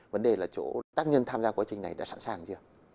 vấn đề là chỗ tác nhân tham gia quá trình này đã sẵn sàng gì